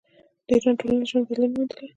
د ایران ټولنیز ژوند بدلون موندلی.